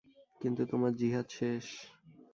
কিন্তু তোমার জিহাদ শেষ।